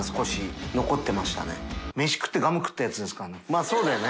まぁそうだよね。